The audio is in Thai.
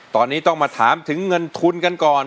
ตอนนี้ต้องมาถามถึงเงินทุนกันก่อน